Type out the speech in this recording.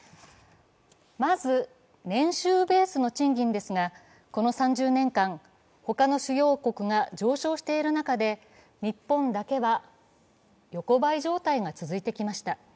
まず年収ベースの賃金ですがこの３０年間、他の主要国が上昇している中で日本だけは横ばい状態が続いてきました。